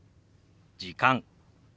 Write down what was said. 「時間」。